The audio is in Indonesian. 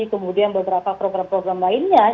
kemudian beberapa program program lainnya